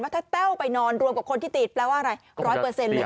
ถ้าแต้วไปนอนรวมกับคนที่ติดแปลว่าอะไร๑๐๐เลย